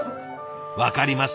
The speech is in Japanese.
分かります？